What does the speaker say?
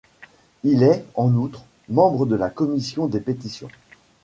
Il est, en outre, membre de la commission des Pétitions.